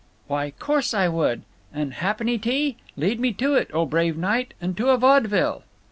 "Why, course I would! And ha'p'ny tea? Lead me to it, O brave knight! And to a vaudeville."